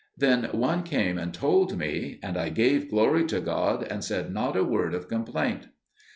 Then one came and told me, and I gave glory to God, and said not a word of complaint.